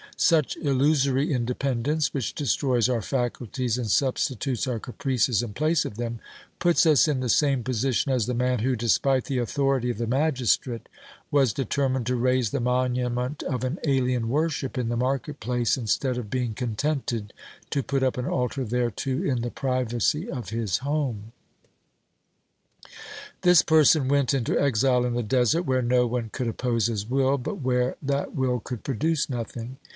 Such illusory independence, which destroys our faculties and substitutes our caprices in place of them, puts us in the same position as the man who, despite the authority of the magistrate, was determined to raise the monument of an alien worship in the market place, instead of being contented to put up an altar thereto in the privacy of his home. This person went into exile in the desert, where no one could oppose his will but where that will could produce nothing.